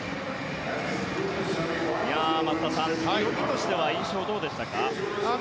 松田さん、泳ぎとしては印象どうでしたか？